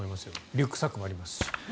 リュックサックもありますし。